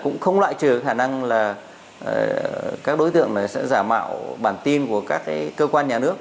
cũng không loại trừ khả năng là các đối tượng này sẽ giả mạo bản tin của các cơ quan nhà nước